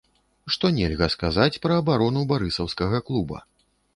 Што нельга сказаць пра абарону барысаўскага клуба.